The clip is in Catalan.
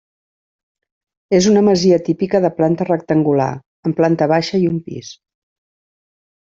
És una masia típica de planta rectangular amb planta baixa i un pis.